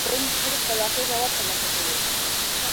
کارکوونکې ښځې خپلواکي او باور ترلاسه کوي.